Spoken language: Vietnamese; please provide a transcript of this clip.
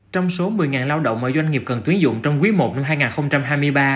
trong số một mươi lao động mà doanh nghiệp cần tuyến dụng trong quý i năm hai nghìn hai mươi ba